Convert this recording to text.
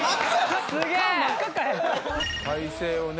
体勢をね。